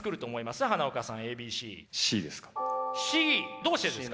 どうしてですか？